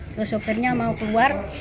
terus sopirnya mau keluar